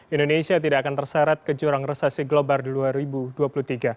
indonesia tidak akan terseret ke jurang resesi global di dua ribu dua puluh tiga